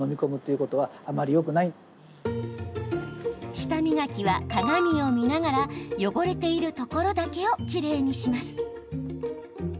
舌磨きは、鏡を見ながら汚れているところだけをきれいにします。